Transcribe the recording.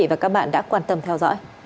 hẹn gặp lại các bạn trong những video tiếp theo